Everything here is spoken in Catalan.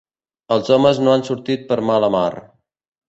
Els homes no han sortit per mala mar.